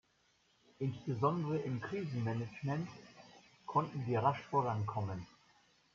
Insbesondere im Krisenmanagement konnten wir rasch vorankommen.